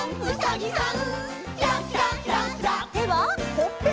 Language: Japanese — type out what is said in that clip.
ほっぺ！